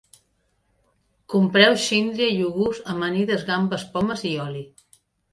Compreu síndria, iogurts, amanides, gambes, pomes i oli